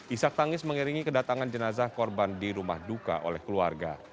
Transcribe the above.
isak tangis mengiringi kedatangan jenazah korban di rumah duka oleh keluarga